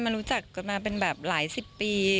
มันรู้จักกันมาเป็นแบบหลายสิบปี